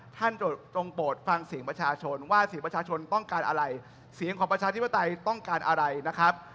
จงโปรดฟังเสียงประชาชนว่าเสียงประชาชนต้องการอะไรเสียงของประชาธิปไตยต้องการอะไรนะครับ